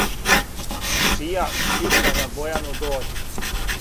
Чија сјутра на Бојану дође